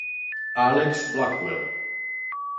Alex Blackwell